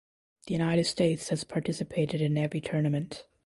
The United States has participated in every tournament.